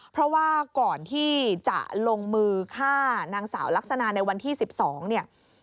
เพราะว่าก่อนที่จะลงมือฆ่านางสาวลักษณะในวันที่๑๒เนี่ย